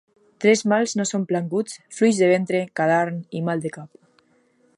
Tres mals no són planguts: fluix de ventre, cadarn i mal de cap.